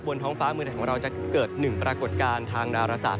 บนท้องฟ้ามือแหน่งของเราจะเกิดหนึ่งปรากฏการณ์ทางนารสัตว์